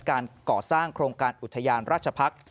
การก่อสร้างโครงการอุทยานราชพักษ์